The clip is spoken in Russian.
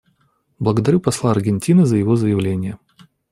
Благодарю посла Аргентины за его заявление.